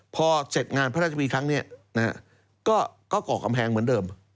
พอเสร็จงานพระราชพิธีครั้งนี้ก็ก่อกำแพงเหมือนเดิม